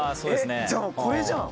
「じゃあこれじゃん！」